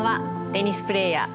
テニスプレーヤー